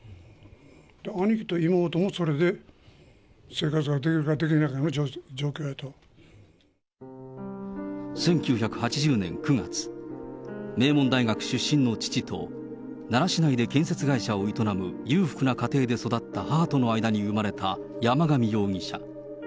兄貴と妹もそれで生活ができるか１９８０年９月、名門大学出身の父と、奈良市内で建設会社を営む裕福な家庭で育った母との間に生まれた山上容疑者。